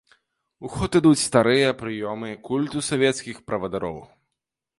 У ход ідуць старыя прыёмы культу савецкіх правадыроў.